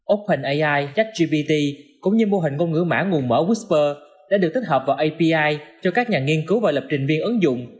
open ai chắc gpt cũng như mô hình ngôn ngữ mã nguồn mở whisper đã được thích hợp vào api cho các nhà nghiên cứu và lập trình viên ứng dụng